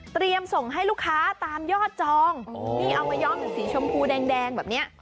เตรียมส่งให้ลูกค้าตามยอดจองนี่เอายอมสีชมพูแดงแบบนี้